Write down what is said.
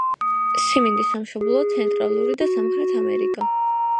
სიმინდის სამშობლოა ცენტრალური და სამხრეთ ამერიკა.